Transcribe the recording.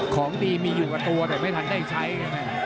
ของดีมีอยู่กับตัวแต่ไม่ทันได้ใช้ไง